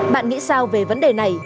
bạn nghĩ sao về vấn đề này